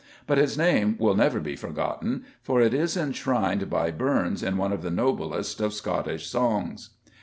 But his name will never be forgotten, for it is enshrined by Burns in one of the noblest of Scottish songs.